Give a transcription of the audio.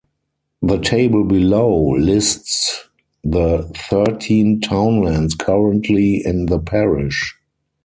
The table below lists the thirteen townlands currently in the parish.